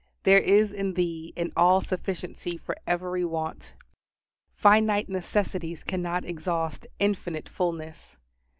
There is in Thee an all sufficiency for every want. Finite necessities cannot exhaust Infinite fullness.